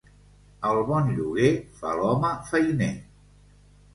El bon lloguer fa l'home feiner.